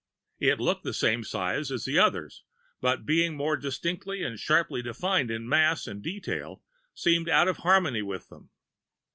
It looked the same size as the others, but, being more distinctly and sharply defined in mass and detail, seemed out of harmony with them.